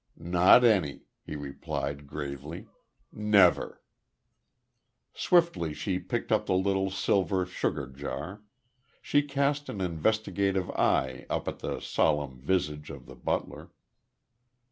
"Not any," he replied, gravely. "Never." Swiftly she picked up the little silver sugar jar; she cast an investigative eye up at the solemn visage of the butler.